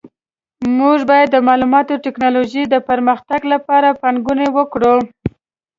موږ باید د معلوماتي ټکنالوژۍ د پرمختګ لپاره پانګونه وکړو